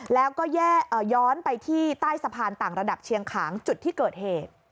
แล้วก็ย้อนไปที่ใต้สะพานต่างระดับเชียงขางจุดที่เกิดเหตุ